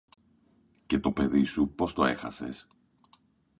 Και το παιδί σου πώς το έχασες;